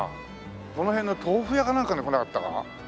この辺の豆腐屋かなんかに来なかったか？